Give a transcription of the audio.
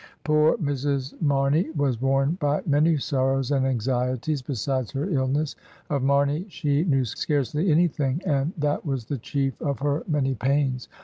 Poor Mrs. Marney was worn by many sorrows and anxieties besides her illness. Of Marney she knew scarcely anything, and that was the chief of her many pains.